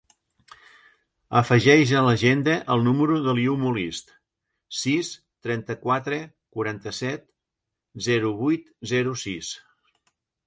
Afegeix a l'agenda el número de l'Iu Molist: sis, trenta-quatre, quaranta-set, zero, vuit, zero, sis.